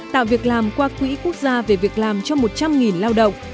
tạo việc làm qua quỹ quốc gia về việc làm cho một trăm linh lao động